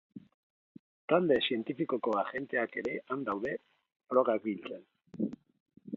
Talde zientifikoko agenteak ere han daude, frogak biltzen.